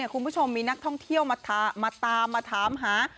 คุณผู้ชมมีนักท่องเที่ยวมาตามมาถามหา